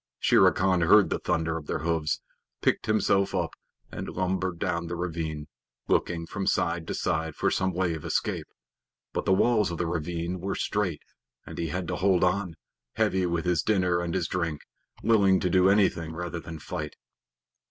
Shere Khan heard the thunder of their hoofs, picked himself up, and lumbered down the ravine, looking from side to side for some way of escape, but the walls of the ravine were straight and he had to hold on, heavy with his dinner and his drink, willing to do anything rather than fight.